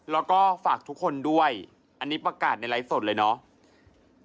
แล้วก็ฝากทุกคนด้วยอันนี้ประกาศในไลฟ์สดเลยเนาะ